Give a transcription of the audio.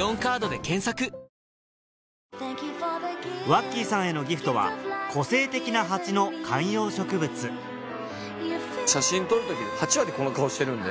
ワッキーさんへのギフトは個性的な鉢の観葉植物写真撮る時８割この顔してるんで。